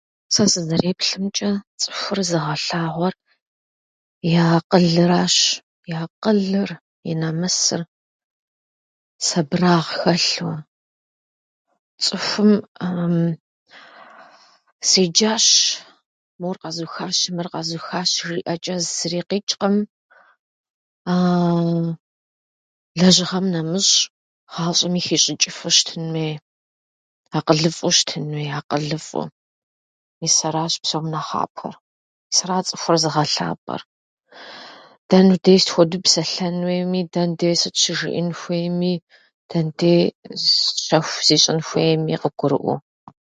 Сэ сызэреплъымчӏэ, цӏыхур зыгъэлъагъуэр и акъылращ, и акъылыр и намысыр, сабырагъ хэлъууэ, цӏыхум седжащ, мор къэзыухащ, мыр къэзыухащ жиӏэчӏэ зыри къичӏкъым. Лэжьыгъэм нэмыщӏ, гъащӏэми хищӏычӏыфу щытын хуей, акъылыфӏэу щытын хуей, акъылыфӏэу. Мис аращ псом нэхъапэр. Мис ара цӏыхур зыгъэлъапӏэр. Дэнэ дей сыт хуэдэу псэлъэн хуейми, дэнэ дей сыт щыжиӏэн хуейми, дэнэ дей щэху зищӏын хуейми къыгурыӏуэу.